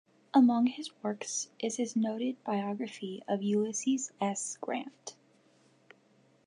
Among his works is his noted biography of Ulysses S. Grant.